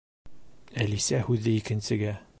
Әлисә һүҙҙе икенсегә